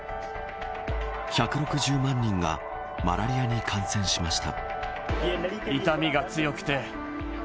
１６０万人がマラリアに感染しました。